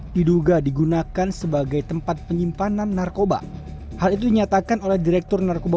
diduga digunakan sebagai tempat penyimpanan narkoba hal itu dinyatakan oleh direktur narkoba